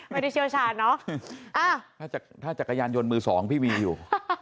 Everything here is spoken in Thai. ไม่ได้เชี่ยวชาญเนอะอ่าถ้าจะถ้าจักรยานยนต์มือสองพี่มีอยู่